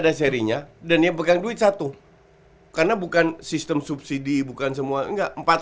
ada serinya dan dia pegang duit satu karena bukan sistem subsidi bukan semua enggak empat